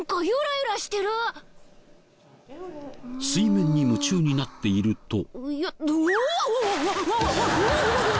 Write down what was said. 水面に夢中になっていると。